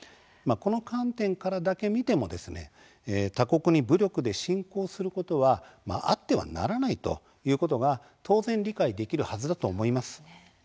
この観点からだけ見ても他国に武力で侵攻することはあってはならないということが当然理解できるはずだと思います。